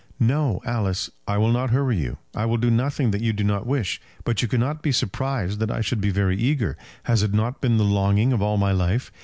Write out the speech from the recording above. "No, Alice, I will not hurry you. I will do nothing that you do not wish. But you cannot be surprised that I should be very eager. Has it not been the longing of all my life?